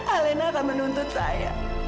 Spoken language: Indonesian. alena akan menuntut saya